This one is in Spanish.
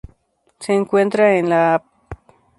Se encuentra en la Av.